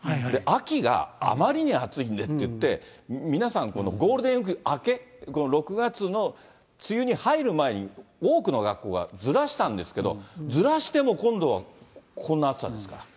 秋があまりに暑いんでっていって、皆さんゴールデンウィーク明け、６月の梅雨に入る前に、多くの学校がずらしたんですけど、ずらしても今度はこんな暑さですから。